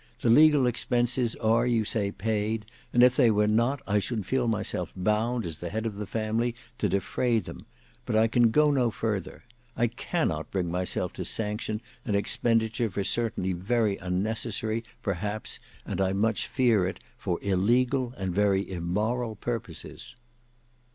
The legal expenses are you say paid; and if they were not, I should feel myself bound, as the head of the family, to defray them, but I can go no further. I cannot bring myself to sanction an expenditure for certainly very unnecessary, perhaps, and I much fear it, for illegal and very immoral purposes."